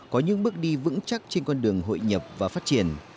có những bước đi vững chắc trên con đường hội nhập và phát triển